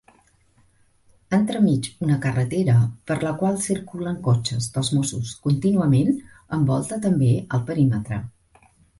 Entremig una carretera per la qual circulen cotxes dels mossos contínuament envolta també el perímetre.